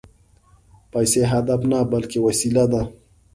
پیسې هدف نه، بلکې وسیله ده